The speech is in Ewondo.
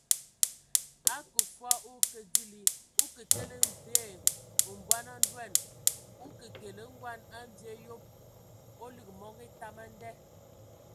Akə fɔɔ o akə dili,o kə tele mvie mbɔn a ndoan, o ke kele ngoan a mvie a yob, o lig mɔngɔ etam a nda !